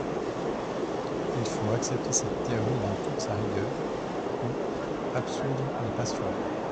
Il faut accepter cette théorie dans toute sa rigueur, ou absoudre les passions.